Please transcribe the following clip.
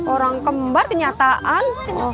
orang kembar kenyataan